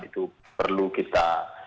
itu perlu kita